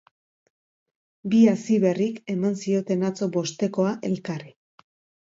Bi hasiberrik eman zioten atzo bostekoa elkarri.